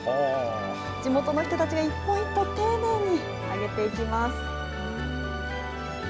地元の人たちが一本一本、丁寧に揚げていきます。